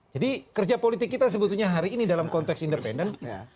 jadi kerja politik kita sebetulnya hari ini dalam konteks independen